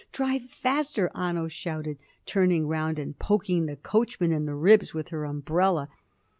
drive faster!" Anno shouted, turning round and poking the coachman in the ribs with her umbrella.